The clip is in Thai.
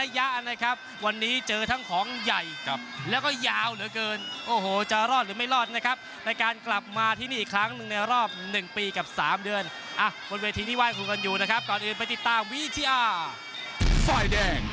นะครับวันนี้เจอทั้งของใหญ่แล้วก็ยาวเหลือเกินโอ้โหจะรอดหรือไม่รอดนะครับในการกลับมาที่นี่อีกครั้งหนึ่งในรอบ๑ปีกับ๓เดือนบนเวทีที่ไห้ครูกันอยู่นะครับก่อนอื่นไปติดตามวิทยาสร้อยแดง